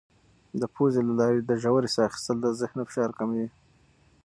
د پوزې له لارې د ژورې ساه اخیستل د ذهن فشار کموي.